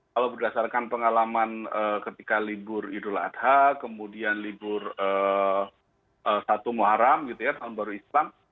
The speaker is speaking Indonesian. kalau berdasarkan pengalaman ketika libur idul adha kemudian libur satu muharam gitu ya tahun baru islam